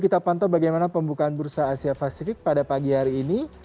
kita pantau bagaimana pembukaan bursa asia pasifik pada pagi hari ini